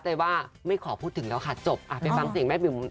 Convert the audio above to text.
ถ้าสนุกก็คือคดีแรกในชีวิตค่ะจริง